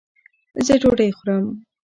زۀ ډوډۍ خورم